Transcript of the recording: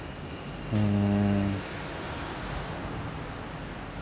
うん。